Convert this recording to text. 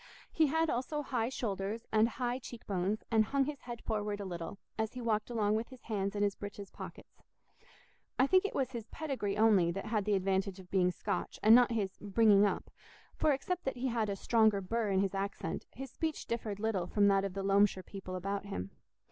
He had also high shoulders and high cheek bones and hung his head forward a little, as he walked along with his hands in his breeches pockets. I think it was his pedigree only that had the advantage of being Scotch, and not his "bringing up"; for except that he had a stronger burr in his accent, his speech differed little from that of the Loamshire people about him.